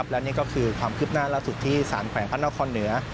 และนี้ก็คือความคืบหน้าลัดสุดที่สารแขวนภาษณะครเนื้อ